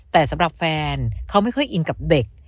แต่สำหรับแฟนเขาไม่ค่อยอินกับเด็ก